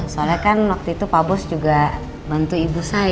soalnya kan waktu itu pak bos juga bantu ibu saya